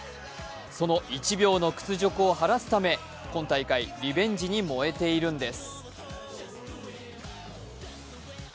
その１秒の屈辱を晴らすため今大会、リベンジに燃えているんです。